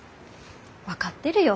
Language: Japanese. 分かってるよ。